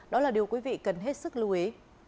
đó là điều quý vị cần hết sức lưu ý